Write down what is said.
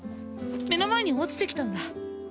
目の前に落ちてきたんだ